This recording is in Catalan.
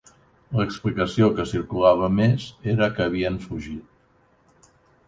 L'explicació que circulava més era que havien fugit